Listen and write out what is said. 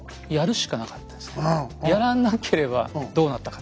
やらなければどうなったか。